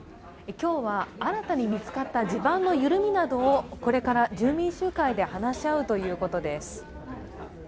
今日は新たに見つかった地盤の緩みなどを、これから住民集会で話し合うということです。